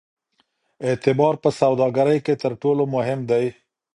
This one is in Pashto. اعتبار په سوداګرۍ کې تر ټولو مهم دی.